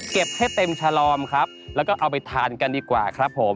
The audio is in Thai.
ให้เต็มฉลอมครับแล้วก็เอาไปทานกันดีกว่าครับผม